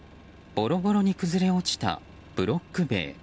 ぼろぼろに崩れ落ちたブロック塀。